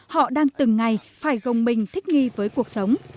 họ đang từng ngày phải gồng mình thích nghi với cuộc sống